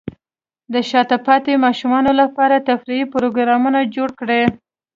د شاته پاتې ماشومانو لپاره تفریحي پروګرامونه جوړ کړئ.